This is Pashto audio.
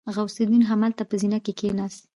غوث الدين همالته په زينه کې کېناست.